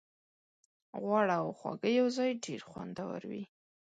غوړ او خوږه یوځای ډېر خوندور وي.